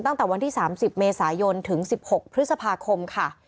ตั้งแต่วันที่๓๐เมษายนถึง๑๖พฤษภาคมค่ะ